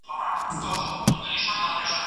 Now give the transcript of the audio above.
صنعت به پرمختګ وکړي.